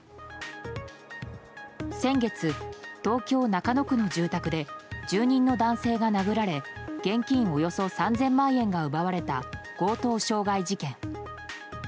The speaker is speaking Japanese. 先月、東京・中野区の住宅で住人の男性が殴られ現金およそ３０００万円が奪われた強盗傷害事件。